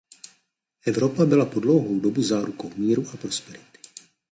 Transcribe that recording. Evropa byla po dlouhou dobu zárukou míru a prosperity.